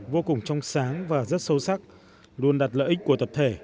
vô cùng trong sáng và rất sâu sắc luôn đặt lợi ích của tập thể